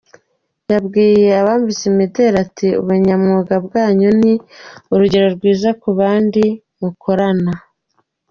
Yabwiye abambitswe imidari ati"Ubunyamwuga bwanyu ni urugero rwiza ku bandi mukorana.